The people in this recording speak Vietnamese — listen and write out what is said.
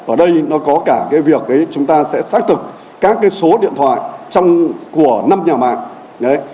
ở đây nó có cả cái việc chúng ta sẽ xác thực các cái số điện thoại của năm nhà mạng